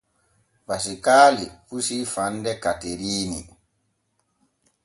Pasikaali pusii fande Kateriini.